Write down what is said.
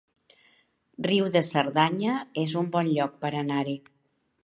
Riu de Cerdanya es un bon lloc per anar-hi